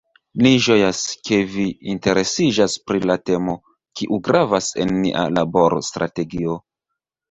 Ni ĝojas, ke vi interesiĝas pri la temo, kiu gravas en nia laborstrategio.